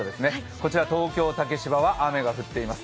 こちら東京・竹芝は雨が降っています。